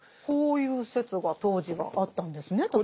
こういう説が当時はあったんですね。